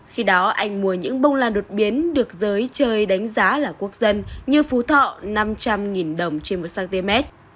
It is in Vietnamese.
khi đó anh mua những bông la đột biến được giới chơi đánh giá là quốc dân như phú thọ năm trăm linh đồng trên một cm